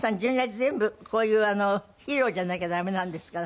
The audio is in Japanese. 全部こういうヒーローじゃなきゃダメなんですから。